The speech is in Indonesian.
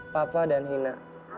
papa dan hina